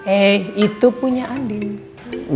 eh itu punya andin